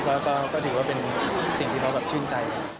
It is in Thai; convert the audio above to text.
ก็ถือว่าเป็นสิ่งที่เขาแบบชื่นใจ